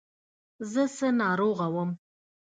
زه څه ناروغه وم.